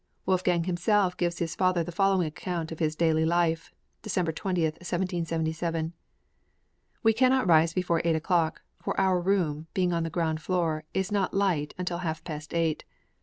Wolfgang himself gives his father the following account of his daily life (December 20, 1777): We cannot rise before eight o'clock, for our room, being on the ground floor, is not light until half past eight.